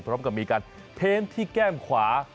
พร้อมกับมีการเทนที่แก้มขวา